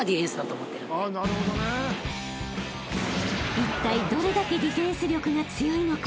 ［いったいどれだけディフェンス力が強いのか？］